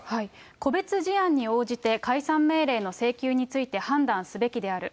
個別事案に応じて、解散命令の請求について判断すべきである。